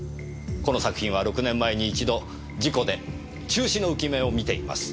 この作品は６年前に１度事故で中止の憂き目を見ています。